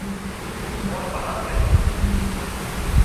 তোমার বাহানাটা কী?